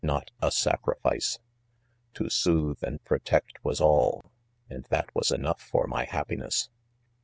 not a sacrifice. To sooth and protect was all —and that was enough for my happiness.